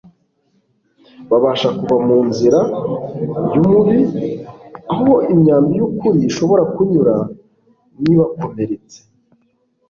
babasha kuva mu nzira [y'umubi], aho imyambi y'ukuri ishobora kunyura ntibakomeretse